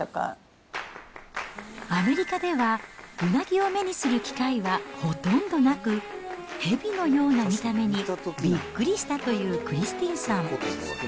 アメリカでは、うなぎを目にする機会はほとんどなく、ヘビのような見た目にびっくりしたというクリスティンさん。